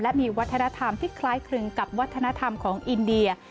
และมีวัฒนธรรมที่คล้ายคลึงกับวัฒนธรรมของอินเดีย